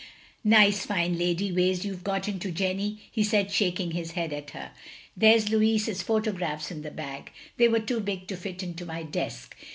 " Nice fine lady ways you 've got into, Jenny, *' he said, shaking his head at her. "There 's Louis's photographs in the bag; they were too big to fit into my desk.